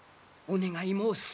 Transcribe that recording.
お願い申す。